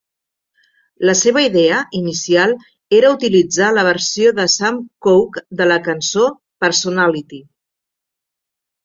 La seva idea inicial era utilitzar la versió de Sam Cooke de la cançó "Personality".